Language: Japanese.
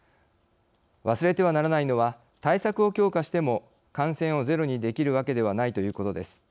忘れてはならないのは対策を強化しても感染をゼロにできるわけではないということです。